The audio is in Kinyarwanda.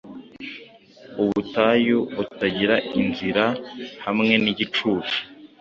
Ubutayu butagira inzira, hamwe nigicucu